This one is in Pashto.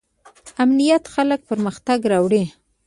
امنیت څنګه پرمختګ راوړي؟